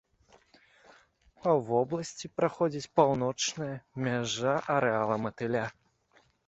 Па вобласці праходзіць паўночная мяжа арэала матыля.